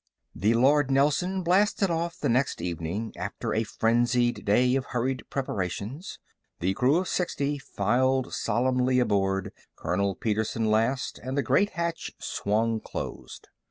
The Lord Nelson blasted off the next evening, after a frenzied day of hurried preparations. The crew of sixty filed solemnly aboard, Colonel Petersen last, and the great hatch swung closed.